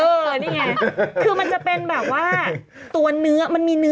โอเคโอเคโอเค